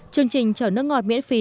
chương trình chở nước ngọt miễn phí